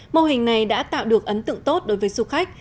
mô hình này đã tạo được ấn tượng tốt đối với du khách